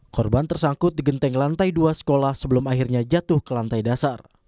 korban tersangkut di genteng lantai dua sekolah sebelum akhirnya jatuh ke lantai dasar